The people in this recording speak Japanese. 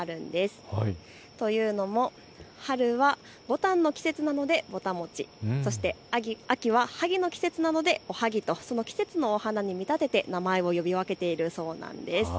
どういうのも、春はぼたんの季節なのでぼた餅、そして秋ははぎの季節なのでおはぎと季節の花に見立てて名前を呼び分けているそうです。